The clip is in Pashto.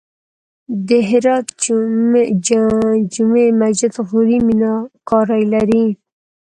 د هرات جمعې مسجد غوري میناکاري لري